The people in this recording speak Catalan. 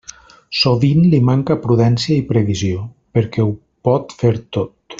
Sovint li manca prudència i previsió, perquè ho pot fer tot.